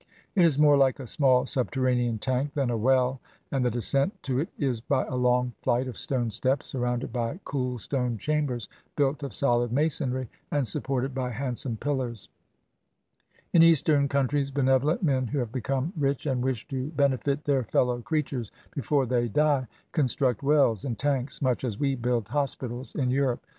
It is more like a small subterranean tank than a well, and the descent to it is by a long ffight of stone steps, surrounded by cool stone chambers built of solid masonry, and supported by handsome pillars. In Eastern countries, benevolent men who have become 232 CAMP LIFE IN INDIA rich and wish to benefit their fellow creatures before they die, construct wells and tanks, much as we build hospitals in Europe.